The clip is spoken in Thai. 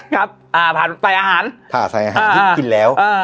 ครับถาดใส่อาหารถาดใส่อาหารที่กินแล้ว